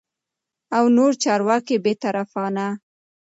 او نور چارواکي بې طرفانه